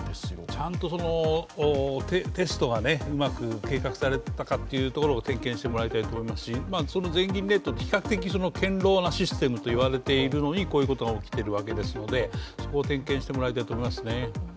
ちゃんとテストがうまく計画されていたかっていうところを点検してもらいたいと思いますし全銀ネットは比較的堅牢なシステムと言われているのにこういうことが起きているわけですので、そこを点検してもらいたいと思いますね。